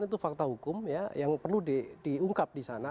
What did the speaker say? itu fakta hukum yang perlu diungkap di sana